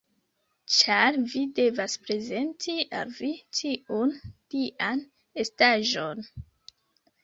Ĉar vi devas prezenti al vi tiun dian estaĵon!